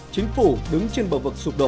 chính phủ đứng trên bờ vực sụp đổ